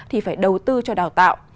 thì phải đầu tư cho đào tạo